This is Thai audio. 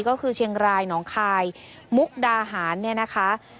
ก็คือเชียงรายหนองคายมุกดาหารเนี่ยนะคะ